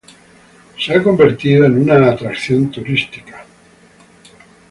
Se ha convertido en una atracción turística además.